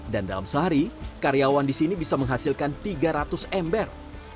dan dalam sehari karyawan di sini bisa menghasilkan tiga ratus ember